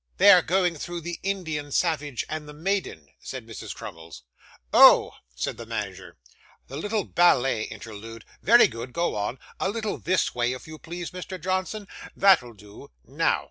'They are going through the Indian Savage and the Maiden,' said Mrs Crummles. 'Oh!' said the manager, 'the little ballet interlude. Very good, go on. A little this way, if you please, Mr. Johnson. That'll do. Now!